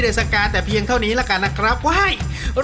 ตักได้เท่าไหร่